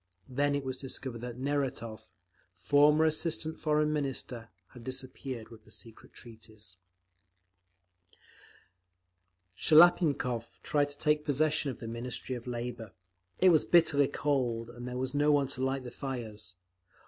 Then it was discovered that Neratov, former assistant Foreign Minister, had disappeared with the Secret Treaties…. Shliapnikov tried to take possession of the Ministry of Labour. It was bitterly cold, and there was no one to light the fires.